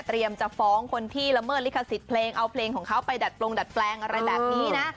จะฟ้องคนที่ละเมิดลิขสิทธิ์เพลงเอาเพลงของเขาไปดัดปลงดัดแปลงอะไรแบบนี้นะ